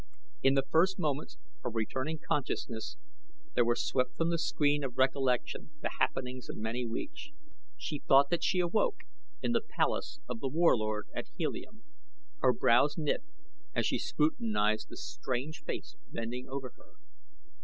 In the first moments of returning consciousness there were swept from the screen of recollection the happenings of many weeks. She thought that she awoke in the palace of The Warlord at Helium. Her brows knit as she scrutinized the strange face bending over her.